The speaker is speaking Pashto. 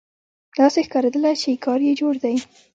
داسې ښکارېدله چې کار یې جوړ دی.